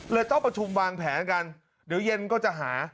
ต้องประชุมวางแผนกันเดี๋ยวเย็นก็จะหา